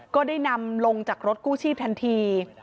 ก็ได้นำลงจากรถกู้ชีพทันที